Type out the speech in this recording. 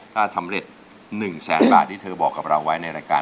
ถ้าสำเร็จ๑แสนบาทที่เธอบอกกับเราไว้ในรายการ